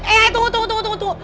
eh tunggu tunggu tunggu